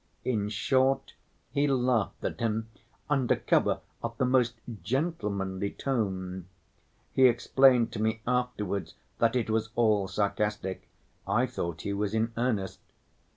In short, he laughed at him under cover of the most gentlemanly tone. He explained to me afterwards that it was all sarcastic. I thought he was in earnest.